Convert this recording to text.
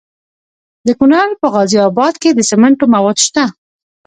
د کونړ په غازي اباد کې د سمنټو مواد شته.